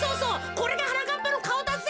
これがはなかっぱのかおだぜ。